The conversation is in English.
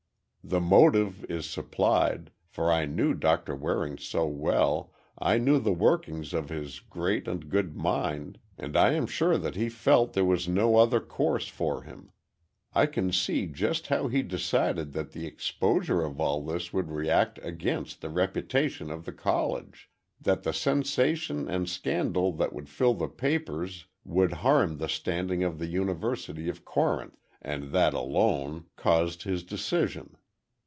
The motive is supplied, for I knew Doctor Waring so well, I knew the workings of his great and good mind, and I am sure that he felt there was no other course for him. I can see just how he decided that the exposure of all this would react against the reputation of the College. That the sensation and scandal that would fill the papers would harm the standing of the University of Corinth, and that—and that alone—caused his decision.